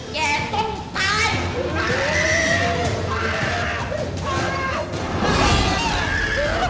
แกต้องตาย